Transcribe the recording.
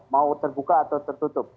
mau terbuka atau tertutup